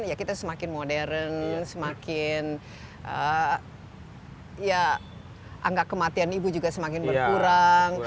ya kita semakin modern semakin ya angka kematian ibu juga semakin berkurang